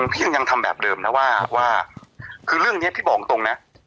พี่ยังยังทำแบบเดิมนะว่าคือเรื่องนี้พี่บอกตรงนะ